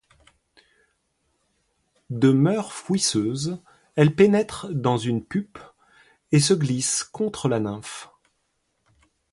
De moeurs fouisseuse, elle pénètre dans une pupe et se glisse contre la nymphe.